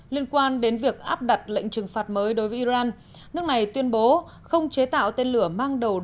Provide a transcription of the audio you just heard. liên quan đến việc áp đặt lệnh trừng phạt mới đối với iran nước này tuyên bố không chế tạo tên lửa mang đầu